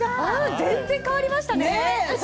全然変わりましたね。